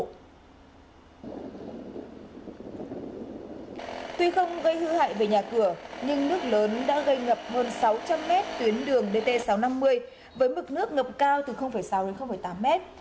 tuy không gây hư hại về nhà cửa nhưng nước lớn đã gây ngập hơn sáu trăm linh mét tuyến đường dt sáu trăm năm mươi với mực nước ngập cao từ sáu đến tám mét